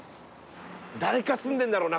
誰か住んでんだろうな